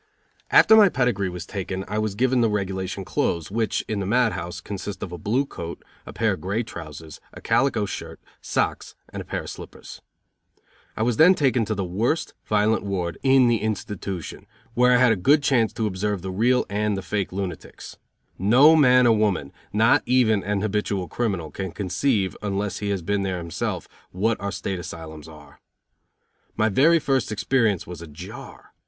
After my pedigree was taken I was given the regulation clothes, which, in the mad house, consist of a blue coat, a pair of grey trousers, a calico shirt, socks and a pair of slippers. I was then taken to the worst violent ward in the institution, where I had a good chance to observe the real and the fake lunatics. No man or woman, not even an habitual criminal, can conceive, unless he has been there himself, what our state asylums are. My very first experience was a jar.